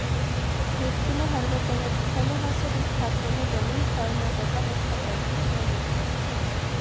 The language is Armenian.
Ռիֆկինը հանրաճանաչության է հասել իր թատրոնի բեմում շարունական աշխատանքի շնորհիվ։